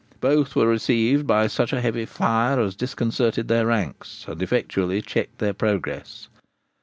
Both were received by such a heavy fire as disconcerted their ranks and effectually checked their progress.